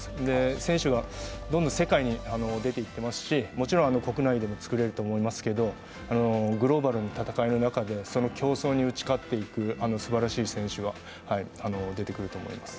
選手がどんどん世界に出ていってますし、もちろん国内でも作れると思いますけど、グローバルに戦いの中で競争に打ち勝っていくすばらしい選手が出てくると思います。